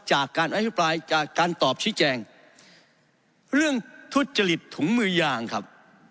จากการอภิปรายจากการตอบชี้แจงเรื่องทุจริตถุงมือยางครับ